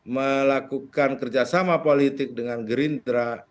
melakukan kerjasama politik dengan gerindra